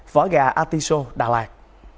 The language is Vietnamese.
phở gà artichoke đà lạt